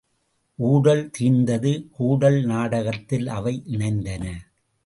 ஊடல் தீர்ந்தது கூடல் நாடகத்தில் அவை இணைந்தன.